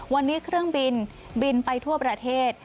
วันนี้เครื่องบินบินไปทั่วประเทศ